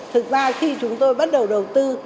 thực ra khi chúng tôi bắt đầu đầu tư